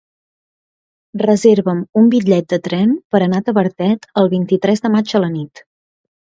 Reserva'm un bitllet de tren per anar a Tavertet el vint-i-tres de maig a la nit.